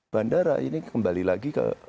bandara ini kembali lagi ke